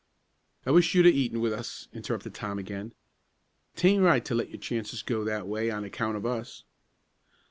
"I wish you'd 'a' eaten with us," interrupted Tom again. "'Tain't right to let your chances go that way on account of us."